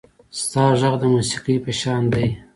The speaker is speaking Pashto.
• ستا غږ د موسیقۍ په شان دی.